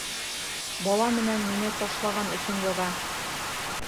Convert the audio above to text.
Бала менән мине ташлаған өсөн яза!